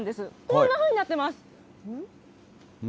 こんなふうになってます。